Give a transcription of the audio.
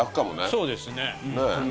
そうですね。